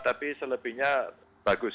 tapi selebihnya bagus